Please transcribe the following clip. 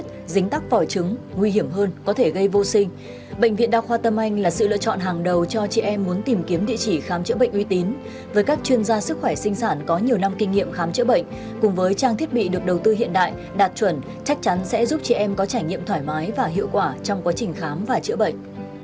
các chuyên gia sức khỏe sinh sản có nhiều năm kinh nghiệm khám chữa bệnh cùng với trang thiết bị được đầu tư hiện đại đạt chuẩn chắc chắn sẽ giúp chị em có trải nghiệm thoải mái và hiệu quả trong quá trình khám và chữa bệnh